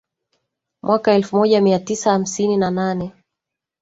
mwaka elfu moja mia tisa hamsini na nane